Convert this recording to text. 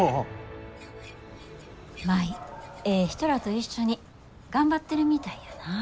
舞ええ人らと一緒に頑張ってるみたいやなぁ。